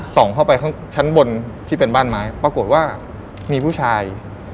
เข้าไปข้างชั้นบนที่เป็นบ้านไม้ปรากฏว่ามีผู้ชาย